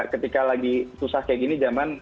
ketika lagi susah kayak gini zaman